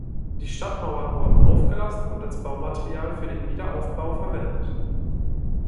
Die Stadtmauern wurden aufgelassen und als Baumaterial für den Wiederaufbau verwendet.